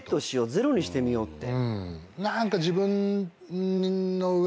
ゼロにしてみようって？